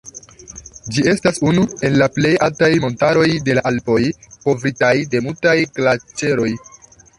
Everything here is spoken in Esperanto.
Ĝi estas unu el la plej altaj montaroj de Alpoj, kovritaj de multaj glaĉeroj.